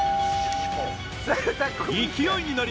勢いに乗り